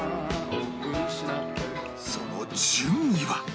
その順位は